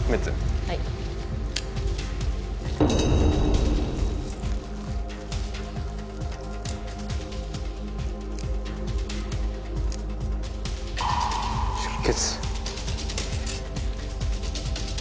はい出血